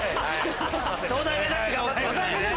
東大目指して頑張ってください。